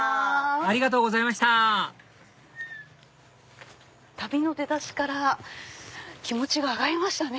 ありがとうございました旅の出だしから気持ちが上がりましたね。